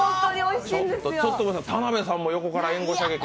ちょっと田辺さんも横から援護射撃を。